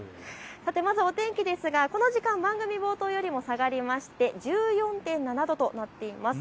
まず、お天気ですがこの時間、番組冒頭よりも下がりまして１４．７度となっています。